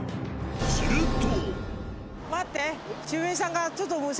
［すると］